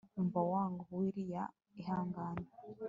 umva wangu willia, ihangane